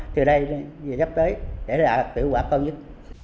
từ đây về sắp tới để là tuyển hoạt hơn nhất